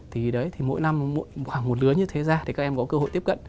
thì đấy thì mỗi năm khoảng một lứa như thế ra thì các em có cơ hội tiếp cận